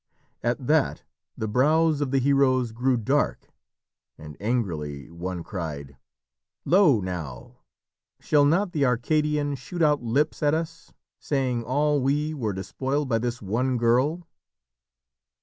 At that the brows of the heroes grew dark, and angrily one cried: "Lo, now, Shall not the Arcadian shoot out lips at us, Saying all we were despoiled by this one girl."